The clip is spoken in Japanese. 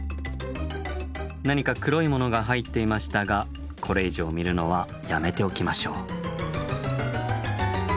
何か黒いものが入っていましたがこれ以上見るのはやめておきましょう。